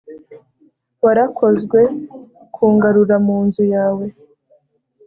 warakozwe kungarura munzu yawe